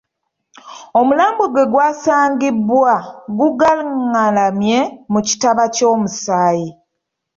Omulambo gwe gwasangibwa gugaղղalamye mu kitaba ky’omusaayi.